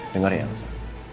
dengar ya elsa